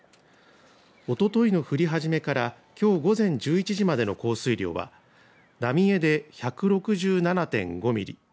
おとといの降り始めからきょう午前１１時までの降水量は浪江で１６７．５ミリ